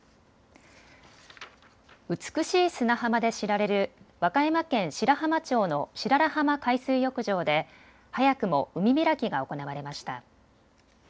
美しい砂浜で知られる和歌山県白浜町の白良浜海水浴場で早くも海開きが行われました。